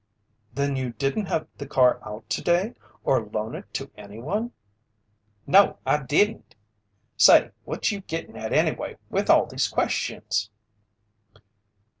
"Then you didn't have the car out today or loan it to anyone?" "No, I didn't! Say, what you gittin' at anyway with all these questions?"